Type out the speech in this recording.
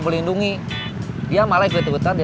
kemudian kami berdua selesai jadi mistik